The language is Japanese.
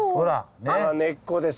根っこです。